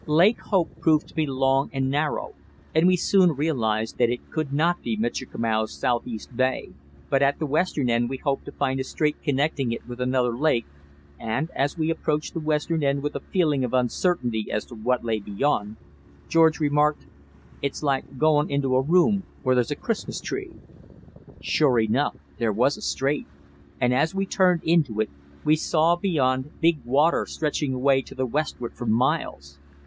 Lake Hope proved to be long and narrow, and we soon realised that it could not be Michikamau's southeast bay; but at the western end we hoped to find a strait connecting it with another lake, and as we approached the western end with a feeling of uncertainty as to what lay beyond, George remarked: "It's like goin' into a room where there's a Christmas tree." Sure enough there was a strait, and as we turned into it, we saw beyond big water stretching away to the westward for miles.